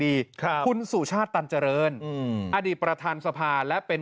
ค่ะคุณสุชาติตันเจริญอืมอดีตประธานสภาและเป็น